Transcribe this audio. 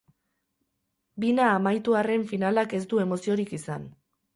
Bina amaitu arren finalak ez du emoziorik izan.